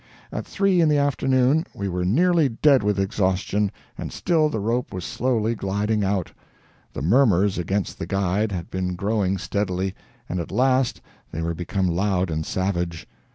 At three in the afternoon we were nearly dead with exhaustion and still the rope was slowly gliding out. The murmurs against the guide had been growing steadily, and at last they were become loud and savage.